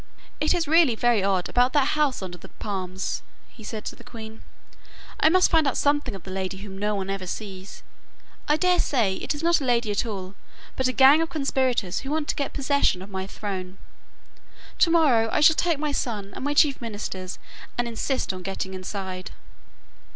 'It is really very odd about that house under the palms,' he said to the queen; 'I must find out something of the lady whom no one ever sees. I daresay it is not a lady at all, but a gang of conspirators who want to get possession of my throne. To morrow I shall take my son and my chief ministers and insist on getting inside.